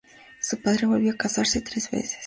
Su padre volvió a casarse tres veces.